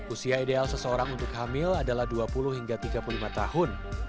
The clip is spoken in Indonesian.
usia ideal seseorang untuk hamil adalah dua puluh hingga tiga puluh lima tahun